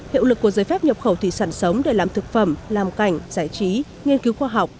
hiệu lực của giấy phép nhập khẩu thủy sản sống để làm thực phẩm làm cảnh giải trí nghiên cứu khoa học